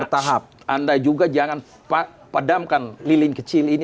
bertahap anda juga jangan padamkan lilin kecil ini